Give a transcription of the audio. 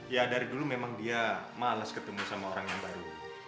ya dari dulu memang dia males ketemu sama orang yang baru